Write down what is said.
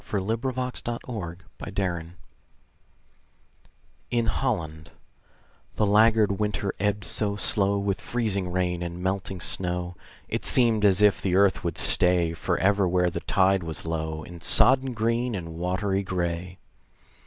FLOOD TIDE OF FLOWERS IN HOLLAND The laggard winter ebbed so slow With freezing rain and melting snow, It seemed as if the earth would stay Forever where the tide was low, In sodden green and watery gray.